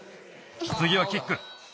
つぎはキック。